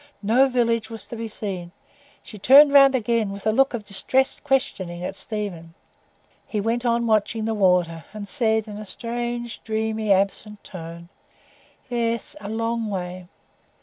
No village was to be seen. She turned around again, with a look of distressed questioning at Stephen. He went on watching the water, and said, in a strange, dreamy, absent tone, "Yes, a long way."